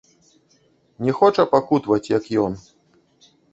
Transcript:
Не хоча пакутаваць, як ён.